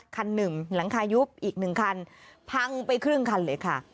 คันหนึ่งหลังคายุบอีก๑คันพังไปครึ่งคันเลยค่ะ